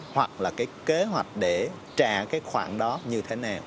hoặc là cái kế hoạch để trả cái khoản đó như thế nào